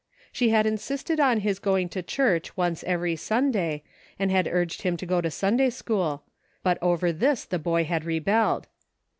She had insisted on his going to church once every Sunday, and had urged him to go to Sunday school ; but over this the boy had rebelled.